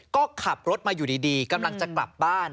ก็ขับรถมาอยู่ดีกำลังจะกลับบ้าน